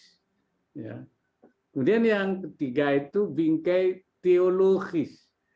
kemudian yang ketiga itu bingkai teologis